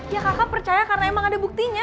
ya kakak percaya karena emang ada buktinya